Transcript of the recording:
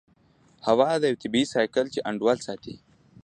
هو دا یو طبیعي سایکل دی چې انډول ساتي